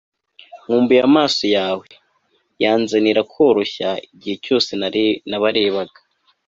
nkumbuye amaso yawe yanzanira koroshya igihe cyose nabarebaga